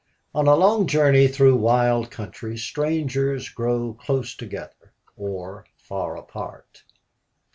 On a long journey through wild country strangers grow close together or far apart.